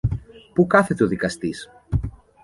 Πού κάθεται ο δικαστής;